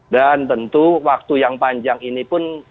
dan tentu waktu yang panjang ini pun